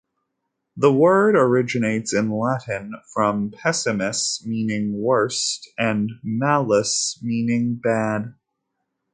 The word originates in Latin from Pessimus meaning worst and Malus meaning bad.